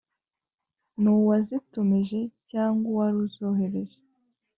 N’uwazitumije cyangwa uwari uzohereje